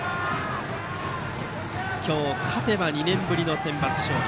今日、勝てば２年ぶりのセンバツ勝利。